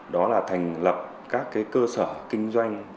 đó là thành lập các cơ sở kinh doanh